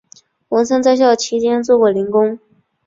文森在校期间做过零工。